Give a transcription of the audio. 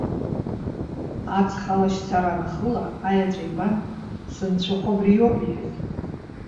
Аҵх алашьцара анахыла, аеҵәа ибан:- Сынцәахәы абри иоуп,- иҳәеит.